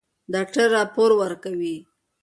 ډاکټره راپور ورکوي.